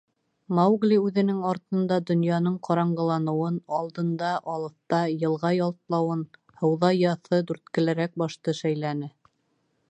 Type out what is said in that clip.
Маугли үҙенең артында донъяның ҡараңғыланыуын, алдында, алыҫта, йылға ялтлауын, һыуҙа яҫы дүрткелерәк башты шәйләне.